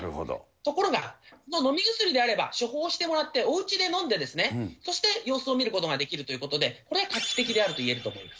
ところが、飲み薬であれば、処方をしてもらっておうちで飲んで、そして様子を見ることができるということで、これは画期的であるといえると思います。